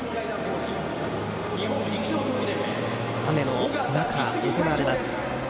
雨の中行われます。